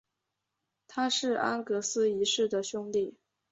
他是安格斯一世的兄弟。